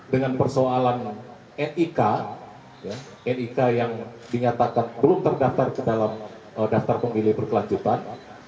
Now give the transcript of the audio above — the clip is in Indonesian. dengan persoalan nik nik yang dinyatakan belum terdaftar ke dalam daftar pemilih berkelanjutan